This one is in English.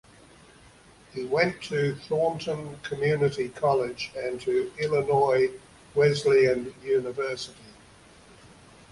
He went to Thornton Community College and to Illinois Wesleyan University.